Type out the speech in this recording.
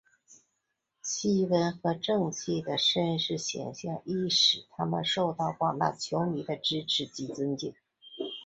其温和正气的绅士形象亦使他受到广大球迷的支持及尊敬。